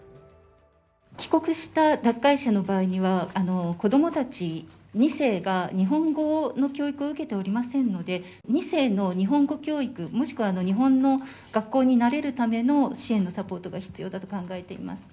帰国した脱会者の場合には、子どもたち、２世が日本語の教育を受けておりませんので、２世の日本語教育、もしくは日本の学校に慣れるための支援のサポートが必要だと考えております。